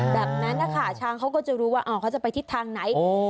แบบนั้นนะคะช้างเขาก็จะรู้ว่าเขาจะไปทิศทางไหน